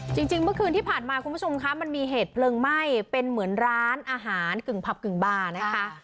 จริงเมื่อคืนที่ผ่านมาคุณผู้ชมคะมันมีเหตุเพลิงไหม้เป็นเหมือนร้านอาหารกึ่งผับกึ่งบาร์นะคะ